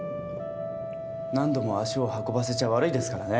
何度も足を運ばせちゃ悪いですからね。